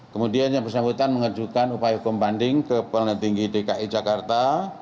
kemudian yang bersambutan mengejukan upaya hukum banding ke perang negeri dki jakarta